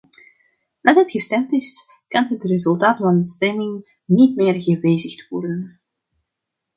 Nadat gestemd is, kan het resultaat van een stemming niet meer gewijzigd worden.